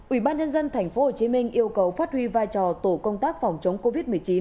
ủy ban nhân dân tp hcm yêu cầu phát huy vai trò tổ công tác phòng chống covid một mươi chín